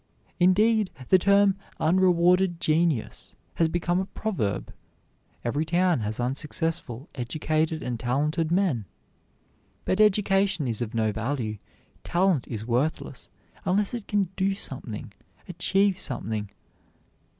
Indeed, the term "unrewarded genius" has become a proverb. Every town has unsuccessful educated and talented men. But education is of no value, talent is worthless, unless it can do something, achieve something.